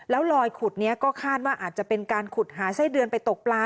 แล้วลอยขุดนี้ก็คาดว่าอาจจะเป็นการขุดหาไส้เดือนไปตกปลา